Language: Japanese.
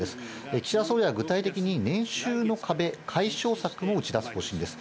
岸田総理は具体的に年収の壁解消策も打ち出す方針です。